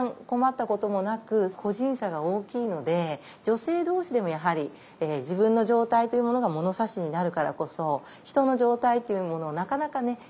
困ったこともなく個人差が大きいので女性どうしでもやはり自分の状態というものが物差しになるからこそひとの状態というものをなかなかね